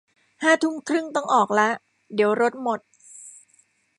ห้าทุ่มครึ่งต้องออกละ เดี๋ยวรถหมด